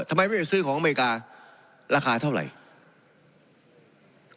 ทำไมไม่ไปซื้อของอเมริการาคาเท่าไหร่